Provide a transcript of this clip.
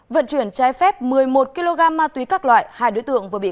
vận chuyển trái phép một mươi một kg ma túy các loại